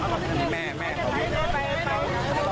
มันยิ่งร่วงฉันต่อไปเนี่ย